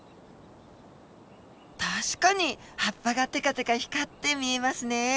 確かに葉っぱがテカテカ光って見えますね。